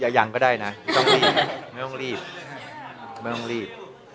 อย่ายังก็ได้นะไม่ต้องรีบ